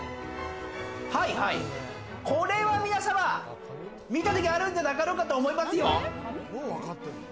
これは皆様、見たときあるんじゃなかろうかと思いますよ！？